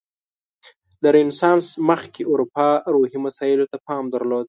له رنسانس مخکې اروپا روحي مسایلو ته پام درلود.